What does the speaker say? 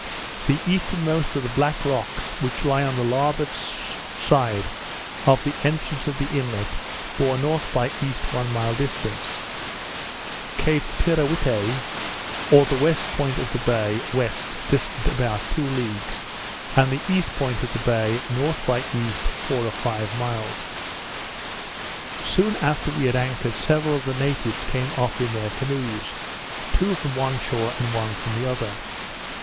The easternmost of the Black Rocks, which lie on the larboard side of the entrance of the inlet, bore N. by E., one mile distant; Cape Teerawhitte, or the west point of the bay, west, distant about two leagues; and the east point of the bay N. by east, four or five miles. Soon after we had anchored, several of the natives came off in their canoes; two from one shore, and one from the other.